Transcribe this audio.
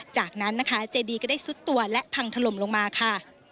จากนั้นนะคะเจดีก็ได้ซุดตัวและพังถล่มลงมาค่ะ